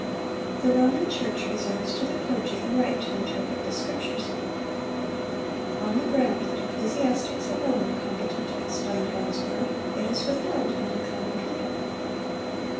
The Roman Church reserves to the clergy the right to interpret the Scriptures. On the ground that ecclesiastics alone are competent to explain God's word, it is withheld from the common people.